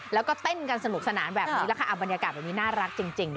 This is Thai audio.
แล้วก็เต้นกันสนุกสนานแบบนี้แหละค่ะบรรยากาศแบบนี้น่ารักจริงนะ